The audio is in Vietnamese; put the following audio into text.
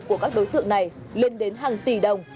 của các đối tượng này lên đến hàng tỷ đồng